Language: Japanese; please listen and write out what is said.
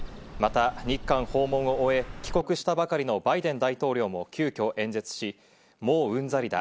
また日韓訪問を終え、帰国したばかりのバイデン大統領も急きょ演説し、もううんざりだ。